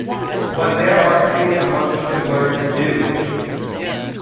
But there are things a monkey could learn to do...